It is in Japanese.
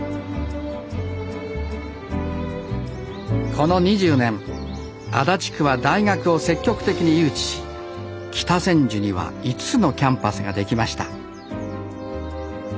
この２０年足立区は大学を積極的に誘致し北千住には５つのキャンパスができました